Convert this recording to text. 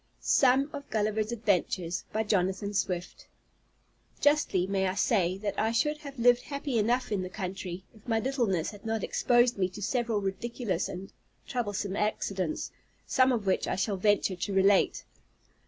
SOME OF GULLIVER'S ADVENTURES By Jonathan Swift Justly may I say, that I should have lived happy enough in the country, if my littleness had not exposed me to several ridiculous and troublesome accidents; some of which I shall venture to relate.